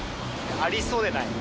ありそうでない。